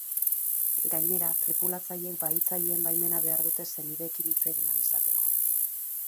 Gainera, tripulatzaileek bahitzaileen baimena behar dute senideekin hitz egin ahal izateko.